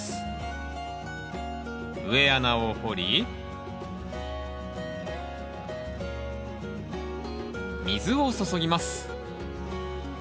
植え穴を掘り水を注ぎます。